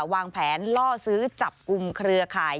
วางแผนล่อซื้อจับกลุ่มเครือข่าย